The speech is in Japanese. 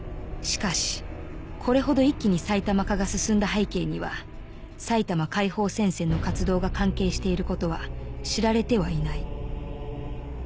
しかしこれほど一気に埼玉化が進んだ背景には埼玉解放戦線の活動が関係していることは知られてはいない。